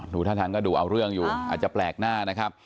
ท่าทางก็ดูเอาเรื่องอยู่อาจจะแปลกหน้านะครับ